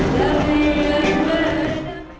tim liputan cnn indonesia